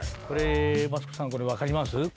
これ分かります？